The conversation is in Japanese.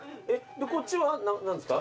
こっちは何ですか？